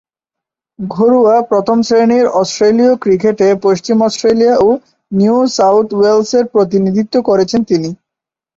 ঘরোয়া প্রথম-শ্রেণীর অস্ট্রেলীয় ক্রিকেটে পশ্চিম অস্ট্রেলিয়া ও নিউ সাউথ ওয়েলসের প্রতিনিধিত্ব করেছেন তিনি।